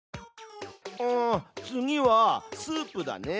あ次はスープだね。